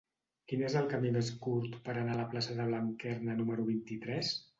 Quin és el camí més curt per anar a la plaça de Blanquerna número vint-i-tres?